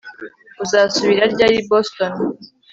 Uzasubira ryari i Boston